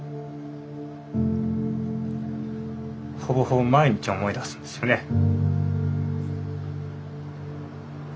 ほぼほぼ毎日思い出すんですよね。